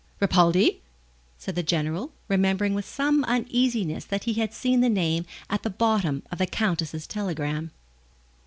"Ripaldi?" said the General, remembering with some uneasiness that he had seen the name at the bottom of the Countess's telegram.